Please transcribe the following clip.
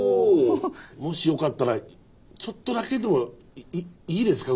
もしよかったらちょっとだけでもいいですか？